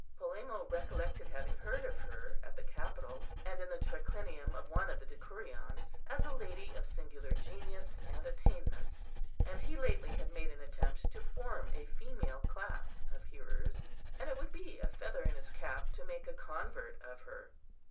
Polemo recollected having heard of her at the Capitol, and in the triclinium of one of the Decurions, as a lady of singular genius and attainments; and he lately had made an attempt to form a female class of hearers, and it would be a feather in his cap to make a convert of her.